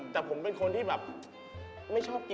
ต้องเลี่ยนแบบนี้